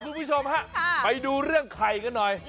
คุณผู้ชมฮะไปดูเรื่องไข่กันหน่อย